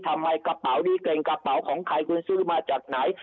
กระเป๋านี้เก่งกระเป๋าของใครคุณซื้อมาจากไหน